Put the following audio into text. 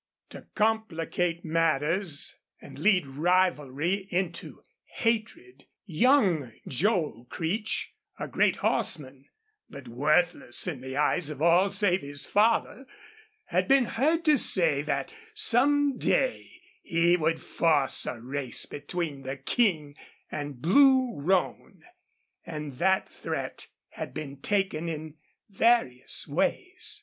To complicate matters and lead rivalry into hatred young Joel Creech, a great horseman, but worthless in the eyes of all save his father, had been heard to say that some day he would force a race between the King and Blue Roan. And that threat had been taken in various ways.